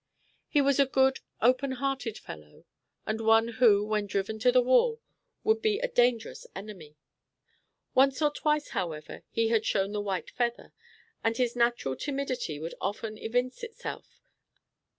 He was a good, open hearted fellow, and one who, when driven to the wall, would be a dangerous enemy. Once or twice, however, he had shown the white feather, and his natural timidity would often evince itself.